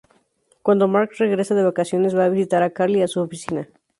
Cuando Mark regresa de vacaciones, va a visitar a Carly a su oficina.